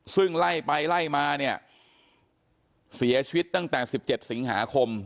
ซึ่งไล่ไปไล่มาเนี่ยเสียชีวิตตั้งแต่๑๗สิงหาคม